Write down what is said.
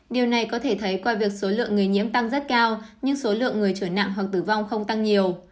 điều này có thể thấy qua việc số lượng người nhiễm tăng rất cao nhưng số lượng người trở nặng hoặc tử vong không tăng nhiều